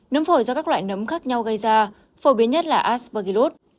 nấm phổi do các loại nấm khác nhau gây ra phổ biến nhất là asburgillus